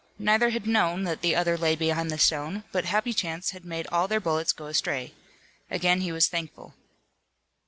Neither had known that the other lay behind the stone, but happy chance had made all their bullets go astray. Again he was thankful.